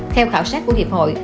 theo khảo sát của hiệp hội